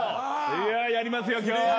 やりますよ今日は。